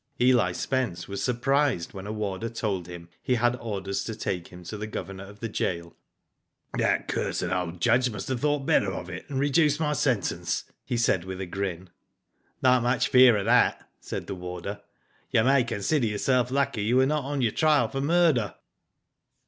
Eli Spence was surprised when a warder told him he had orders to take him to the Governor of the gaol. "That cursed old judge must have thought better of it, and reduced my sentence," he said, with a grin. "Not much fear of that," said the warder. "You may consider yourself lucky you were not on your trial for murder."